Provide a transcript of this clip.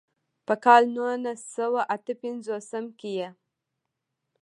پۀ کال نولس سوه اتۀ پنځوستم کښې ئې